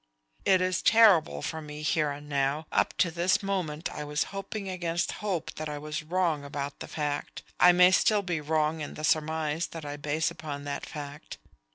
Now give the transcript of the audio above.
"It is terrible for me here and now. Up to this moment I was hoping against hope that I was wrong about the fact. I may still be wrong in the surmise that I base upon that fact.